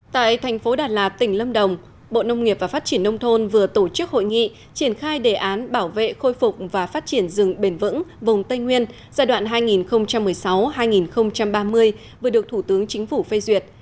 tại thành phố đà lạt tỉnh lâm đồng bộ nông nghiệp và phát triển nông thôn vừa tổ chức hội nghị triển khai đề án bảo vệ khôi phục và phát triển rừng bền vững vùng tây nguyên giai đoạn hai nghìn một mươi sáu hai nghìn ba mươi vừa được thủ tướng chính phủ phê duyệt